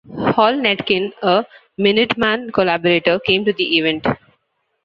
Hal Netkin, a Minuteman collaborator, came to the event.